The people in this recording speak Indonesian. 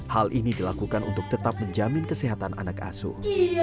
hal ini dilakukan untuk tetap menjamin kesehatan anak asuh